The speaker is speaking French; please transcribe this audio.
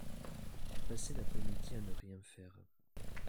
J'ai passé l'après-midi à ne rien faire